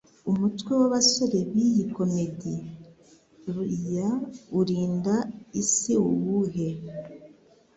Umutwe w'abasore b'iyi comedi ya urinda isi n’uwuhe